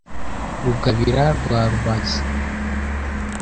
Rugabira rwa Rubazi